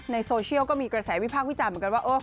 โซเชียลก็มีกระแสวิพากษ์วิจารณ์เหมือนกันว่า